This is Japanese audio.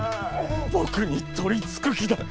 僕に取り憑く気だッ！